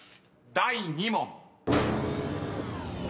第２問］